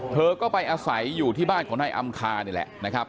เธอก็ไปอาศัยอยู่ที่บ้านของนายอำคานี่แหละนะครับ